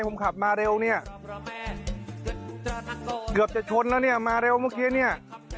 ผมขับมาเร็วเนี่ยเกือบจะชนแล้วเนี่ยมาเร็วเมื่อกี้เนี่ย